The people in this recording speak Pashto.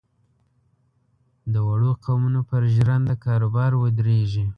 د وړو قومونو پر ژرنده کاروبار ودرېږي.